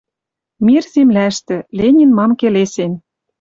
Мир земляштӹ. Ленин мам келесен